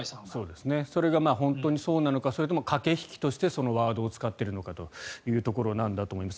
それが本当にそうなのかそれとも駆け引きとしてそのワードを使っているのかというところなんだと思います。